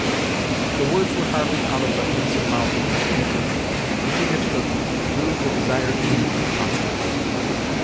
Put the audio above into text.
The words were hardly out of the handsome mouth of the speaker, when Chingachgook drew the desired key from the pocket.